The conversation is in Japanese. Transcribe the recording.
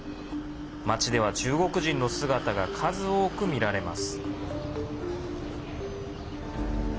街では、中国人の姿が数多く見られます。